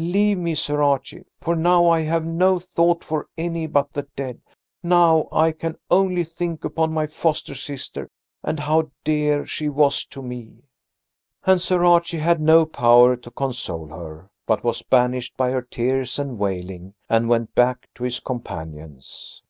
Leave me, Sir Archie, for now I have no thought for any but the dead. Now I can only think upon my foster sister and how dear she was to me." And Sir Archie had no power to console her, but was banished by her tears and wailing and went back to his companions.